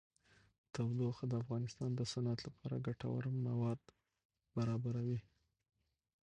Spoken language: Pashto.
تودوخه د افغانستان د صنعت لپاره ګټور مواد برابروي.